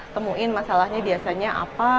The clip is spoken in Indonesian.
temuin masalahnya biasanya apa